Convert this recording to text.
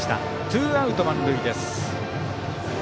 ツーアウト満塁です。